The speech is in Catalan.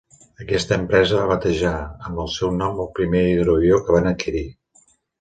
Aquesta empresa va batejar amb el seu nom el primer hidroavió que van adquirir.